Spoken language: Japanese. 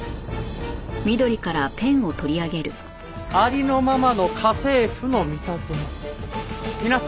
ありのままの『家政夫のミタゾノ』を皆様